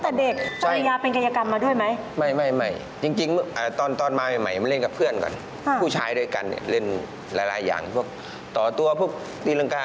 พอเจอแฟนปั๊บทิ้งเพื่อนเลยเล่นกับแฟนดีกว่า